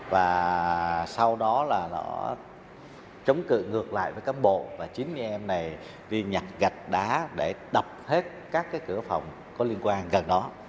và sau đó là nó trống cự ngược lại với cán bộ và chín mươi em này đi nhặt gạch đá để đập hết các cửa phòng có liên quan gần đó